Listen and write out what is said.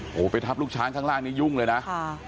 โอ้โหไปทับลูกช้างข้างล่างนี้ยุ่งเลยนะ